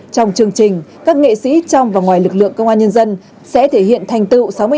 trong chương trình các nghệ sĩ trong và ngoài lực lượng công an nhân dân sẽ thể hiện thành tựu